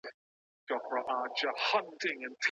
که زده کوونکی تمرین ونکړي نو لیکنه یې خرابیږي.